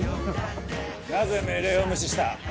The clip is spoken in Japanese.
なぜ命令を無視した？